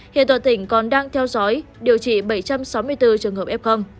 hiện toàn tỉnh còn đang theo dõi điều trị bảy trăm sáu mươi bốn trường hợp f